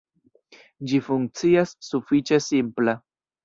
Ĝi funkcias sufiĉe simpla.